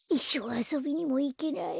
あそびにもいけない。